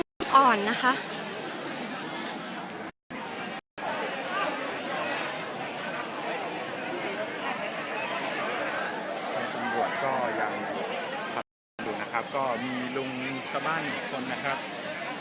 ก็ยังดูนะครับก็มีลุงข้าวบ้านอีกคนนะครับ